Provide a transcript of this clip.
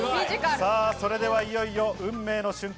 それではいよいよ運命の瞬間。